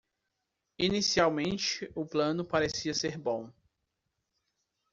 Inicialmente o plano parecia ser bom.